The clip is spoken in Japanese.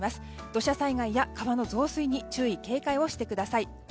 土砂災害や川の増水に注意・警戒をしてください。